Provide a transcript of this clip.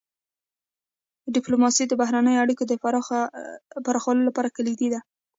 ډيپلوماسي د بهرنیو اړیکو د پراخولو لپاره کلیدي ده.